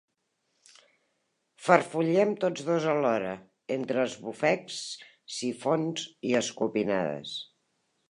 Farfullem tots dos alhora, entre esbufecs, sifons i escopinades.